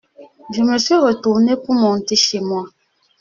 Je me suis retourné pour monter chez moi.